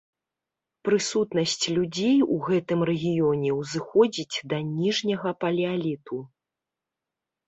Прысутнасць людзей у гэтым рэгіёне ўзыходзіць да ніжняга палеаліту.